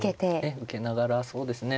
ええ受けながらそうですね